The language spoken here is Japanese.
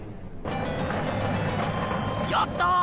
やった！